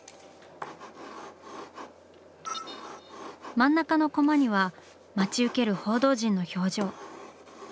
真ん中のコマには待ち受ける報道陣の表情。